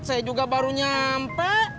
saya juga baru nyampe